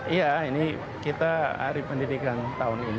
iya ini kita hari pendidikan tahun ini